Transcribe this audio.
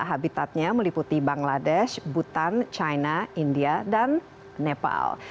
habitatnya meliputi bangladesh butan china india dan nepal